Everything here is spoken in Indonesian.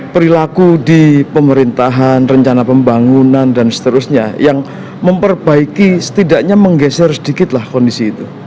perilaku di pemerintahan rencana pembangunan dan seterusnya yang memperbaiki setidaknya menggeser sedikitlah kondisi itu